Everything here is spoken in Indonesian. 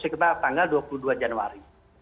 sekitar tanggal dua puluh dua januari